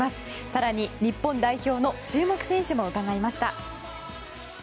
更に日本代表の注目選手も伺いました。